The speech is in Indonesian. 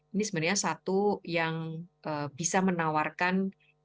ini sebenarnya satu yang bisa menawarkan